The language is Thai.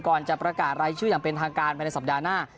ก่อนจะประกาศรายชื่ออย่างเป็นทางการไปในสัปดาห์หน้า